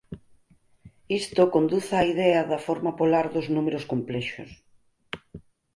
Isto conduce á idea da forma polar dos números complexos.